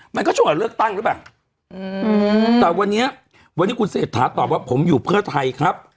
มันก็ช่วงกับเลือกตั้งหรือเปล่าแต่วันนี้วันนี้คุณเศรษฐาตอบว่าผมอยู่เพื่อไทยครับ